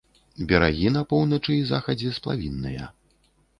Берагі на поўначы і захадзе сплавінныя.